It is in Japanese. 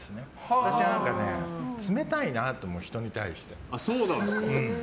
私は冷たいなと思う、人に対して。